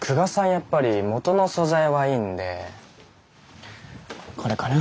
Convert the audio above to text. やっぱり元の素材はいいんでこれかな。